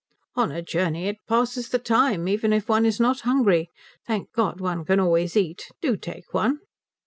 "On a journey it passes the time. Even if one is not hungry, thank God one can always eat. Do take one."